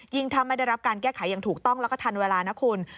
ถ้าไม่ได้รับการแก้ไขอย่างถูกต้องแล้วก็ทันเวลานะคุณ